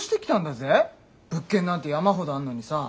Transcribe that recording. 物件なんて山ほどあんのにさ。